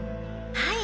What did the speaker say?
はい！